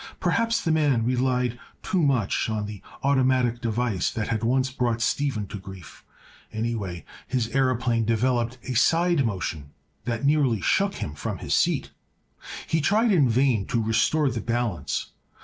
Perhaps the man relied too much on the automatic device that had once brought Stephen to grief; anyway his aëroplane developed a side motion that nearly shook him from his seat. He tried in vain to restore the balance.